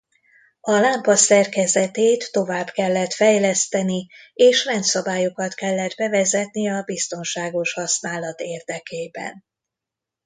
A lámpa szerkezetét tovább kellett fejleszteni és rendszabályokat kellett bevezetni a biztonságos használat érdekében.